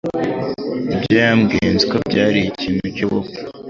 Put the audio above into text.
ibyo yambwiye nzi ko byari ikintu cyubupfu.